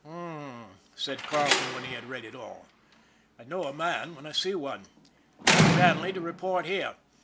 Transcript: " H'm," said Carleton, when he had read it all. " I know a man when I see one. Tell Shanley to report here.